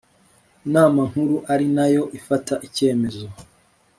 nama nkuru ari nayo ifata icyemezo